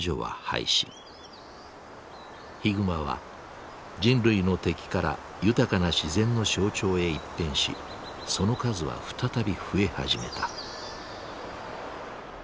ヒグマは人類の敵から豊かな自然の象徴へ一変しその数は再び増え始めた。